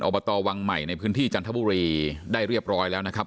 อบตวังใหม่ในพื้นที่จันทบุรีได้เรียบร้อยแล้วนะครับ